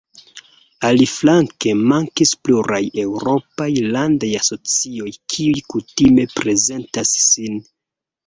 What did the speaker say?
Aliflanke mankis pluraj eŭropaj landaj asocioj, kiuj kutime prezentas sin.